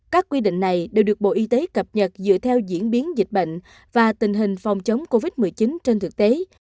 các quy định này đều được bộ y tế cập nhật dựa theo diễn biến dịch bệnh và tình hình phòng chống covid một mươi chín trên thực tế